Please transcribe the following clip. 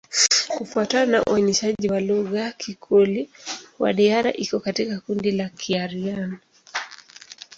Kufuatana na uainishaji wa lugha, Kikoli-Wadiyara iko katika kundi la Kiaryan.